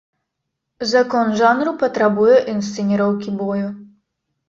Закон жанру патрабуе інсцэніроўкі бою.